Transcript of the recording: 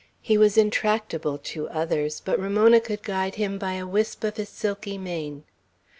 He was intractable to others; but Ramona could guide him by a wisp of his silky mane.